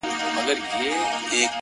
ه په سندرو کي دي مينه را ښودلې”